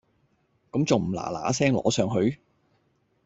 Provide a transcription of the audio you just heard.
咁重唔嗱嗱聲攞上去？